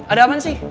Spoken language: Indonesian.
ada apaan sih